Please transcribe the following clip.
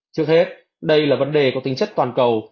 trước hết đây là vấn đề có tính chất toàn cầu